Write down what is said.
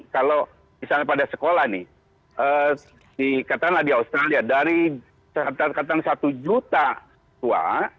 kalau misalnya pada sekolah nih di kata nadia australia dari kata kata satu juta tua